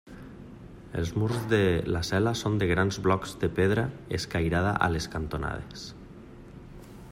Els murs de la cel·la són de grans blocs de pedra escairada a les cantonades.